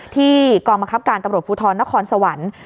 กองบังคับการตำรวจภูทรนครสวรรค์